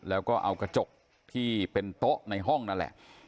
แล้วก็เอากระจกที่เป็นโต๊ะในห้องนั่นแหละ